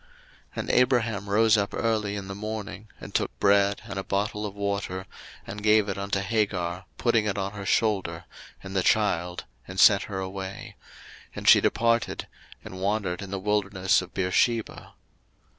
01:021:014 And Abraham rose up early in the morning, and took bread, and a bottle of water, and gave it unto Hagar, putting it on her shoulder, and the child, and sent her away: and she departed, and wandered in the wilderness of Beersheba.